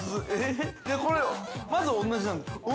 ◆これ、まず同じなんですか？